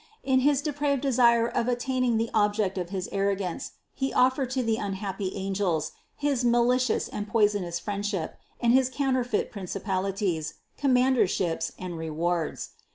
In his depraved desire of attaining the object of his arrogance, he of fered to the unhappy angels his malicious and poison ous friendship and his counterfeit principalities, com manderships and rewards.